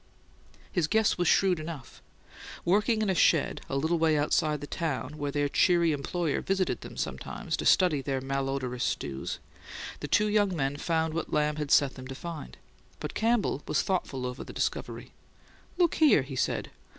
His guess was shrewd enough. Working in a shed a little way outside the town, where their cheery employer visited them sometimes to study their malodorous stews, the two young men found what Lamb had set them to find. But Campbell was thoughtful over the discovery. "Look here," he said.